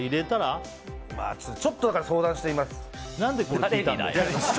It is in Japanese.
ちょっと相談してみます。